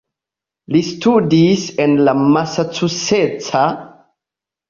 Li studis en la Masaĉuseca Instituto de Teknologio kaj la Universitato Princeton.